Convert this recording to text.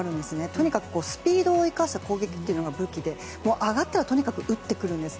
とにかくスピードを生かした攻撃が武器で上がったらとにかく打ってくるんです。